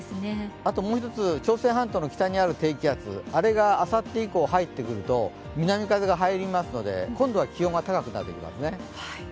もう１つ、朝鮮半島の北にある低気圧があさって以降入ってくると南風が入りますので、今度は気温が高くなりますね。